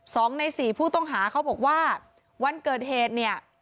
สองในสี่ผู้ต้องหาเขาบอกว่าวันเกิดเหตุเนี่ย